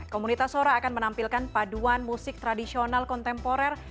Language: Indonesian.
komunitas sora akan menampilkan paduan musik tradisional kontemporer